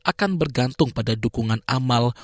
akan bergantung pada dukungan amal